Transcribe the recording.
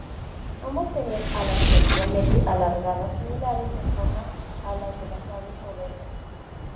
Ambos tenían alas relativamente alargadas, similares en forma a las de las aves modernas.